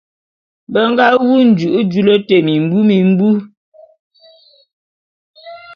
Be nga wu nju'u dulu te mimbi mimbu.